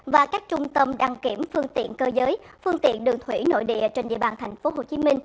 và các trung tâm đăng kiểm phương tiện cơ giới phương tiện đường thủy nội địa trên địa bàn tp hcm